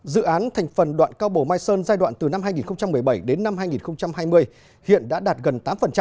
dự án thành phần đoạn cao bồ mai sơn giai đoạn từ năm hai nghìn một mươi bảy đến năm hai nghìn hai mươi hiện đã đạt gần tám